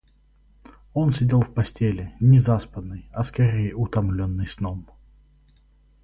Он сидел в постели, не заспанный, а скорее утомленный сном.